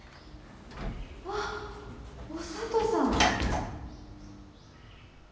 あっお聡さん。